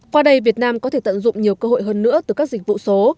qua đây việt nam có thể tận dụng nhiều cơ hội hơn nữa từ các dịch vụ số